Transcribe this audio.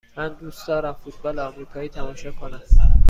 من دوست دارم فوتبال آمریکایی تماشا کنم.